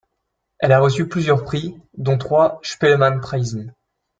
Elle a reçu plusieurs prix, dont trois Spellemannprisen.